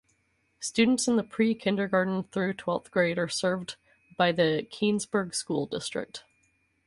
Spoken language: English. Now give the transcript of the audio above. Students in pre-kindergarten through twelfth grade are served by the Keansburg School District.